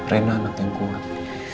reina anak yang kuat